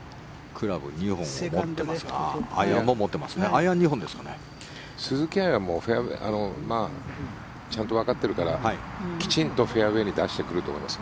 クラブ２本を持っていますが鈴木愛はちゃんとわかっているからきちんとフェアウェーに出してくると思います。